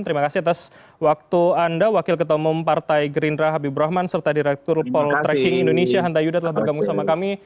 terima kasih atas waktu anda wakil ketua umum partai gerindra habib rahman serta direktur poltreking indonesia hanta yuda telah bergabung sama kami